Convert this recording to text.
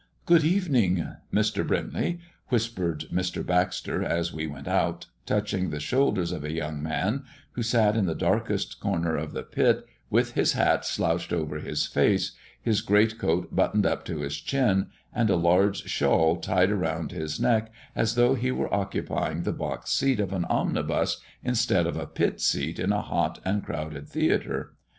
"Good evening, Mr. Brimley," whispered Mr. Baxter, as we went out, touching the shoulders of a young man who sat in the darkest corner of the pit with his hat slouched over his face, his great coat buttoned up to his chin, and a large shawl tied round his neck, as though he were occupying the box seat of an omnibus instead of a pit seat in a hot and crowded theatre.